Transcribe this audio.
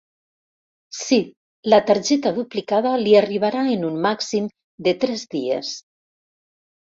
Sí, la targeta duplicada li arribarà en un màxim de tres dies.